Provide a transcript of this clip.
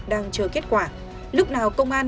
đang chờ kết quả lúc nào công an